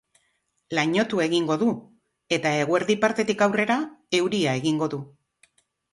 Lainotu egingo du eta eguerdi partetik aurrera euria egingo du.